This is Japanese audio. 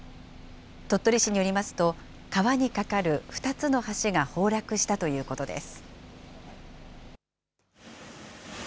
鳥取市によりますと、川に架かる２つの橋が崩落したということです。